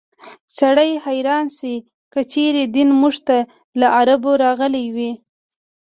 سړی حیران شي که چېرې دین موږ ته له عربو راغلی وي.